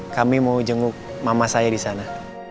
kami mau jenguk mama saya disana